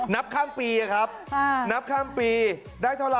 นับข้ามปีอะครับนับข้ามปีได้เท่าไห